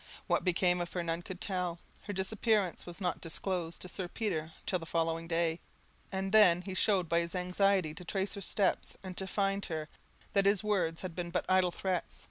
What became of her none could tell; her disappearance was not disclosed to Sir Peter till the following day, and then he showed by his anxiety to trace her steps and to find her, that his words had been but idle threats.